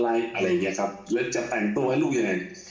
อะไรอย่างเงี้ยครับแล้วจะแต่งตัวให้ลูกยังไง